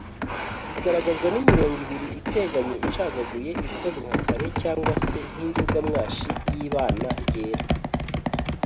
igaragazwa n’imirongo ibiri iteganye icagaguye ikoze nka kare cg se n’ingirwamwashi y’ibana ryera